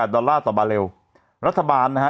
๗๘ดอลลาร์ต่อบาลเลวรัฐบาลนะฮะ